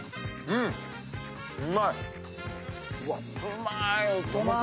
うまーい！